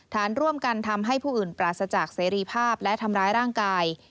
ฐานร่วมกันทำให้ผู้อื่นปราศจากเสรีภาพและทำร้ายร่างกาย